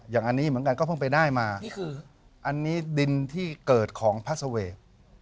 อย่างนี้เหมือนกันก็เพิ่งไปได้มานี่คืออันนี้ดินที่เกิดของพระเสวก